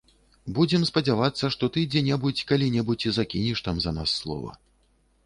Будзем спадзявацца, што ты дзе-небудзь, калі-небудзь і закінеш там за нас слова.